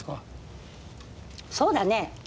そうだね。